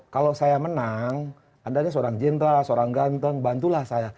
kalau saya menang anda seorang jenderal seorang ganteng bantulah saya